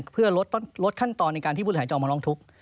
เพื่อลดขั้นตอนในการที่บุริหายจอมมาลองทุกข์